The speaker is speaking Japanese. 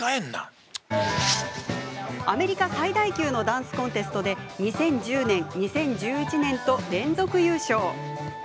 アメリカ最大級のダンスコンテストで２０１０年、２０１１年と連続優勝。